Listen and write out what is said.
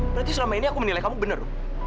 berarti selama ini aku menilai kamu benar